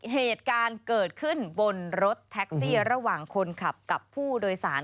เหตุการณ์เกิดขึ้นบนรถแท็กซี่ระหว่างคนขับกับผู้โดยสาร